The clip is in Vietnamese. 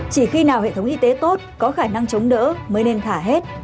chỉ khi nào hệ thống y tế tốt có khả năng chống đỡ mới nên thả hết